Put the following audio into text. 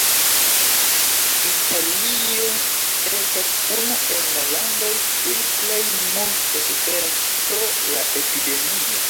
Italio estas unu el la landoj kiuj plej multe suferas pro la epidemio.